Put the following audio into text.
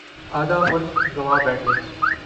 آدھا ملک گنوا بیٹھے۔